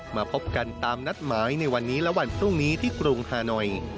มาพบกันตามนัดหมายในวันนี้และวันพรุ่งนี้ที่กรุงฮานอย